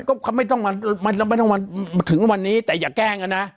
ก็เขาไม่ต้องมามันไม่ต้องมาถึงวันนี้แต่อย่าแกล้งกันนะ